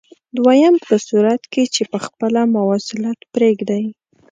دویم په صورت کې چې په خپله مواصلت پرېږدئ.